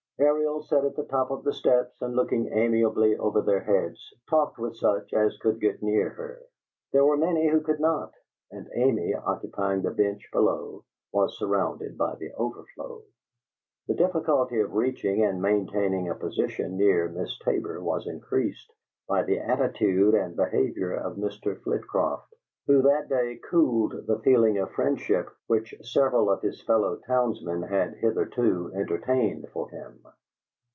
Ariel sat at the top of the steps, and, looking amiably over their heads, talked with such as could get near her. There were many who could not, and Mamie, occupying the bench below, was surrounded by the overflow. The difficulty of reaching and maintaining a position near Miss Tabor was increased by the attitude and behavior of Mr. Flitcroft, who that day cooled the feeling of friendship which several of his fellow townsmen had hitherto entertained for him.